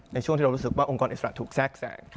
ในช่วงที่เรารู้สึกว่าองค์กรอิสระถูกแทรกแสง